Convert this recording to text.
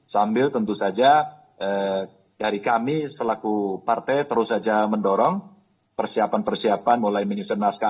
sambil tentu saja dari kami selaku partai terus saja mendorong persiapan persiapan mulai menyusun naskah